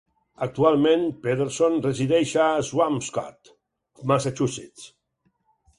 Actualment, Pederson resideix a Swampscott, Massachusetts.